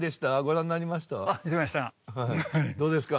どうですか？